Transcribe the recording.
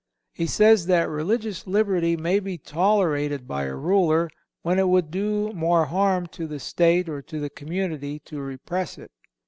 He says that religious liberty may be tolerated by a ruler when it would do more harm to the state or to the community to repress it.